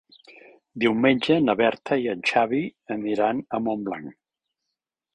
Diumenge na Berta i en Xavi aniran a Montblanc.